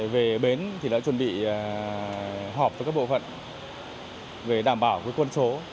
về bến thì đã chuẩn bị họp với các bộ phận về đảm bảo với quân số